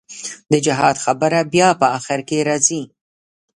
د جهاد خبره بيا په اخر کښې رځي.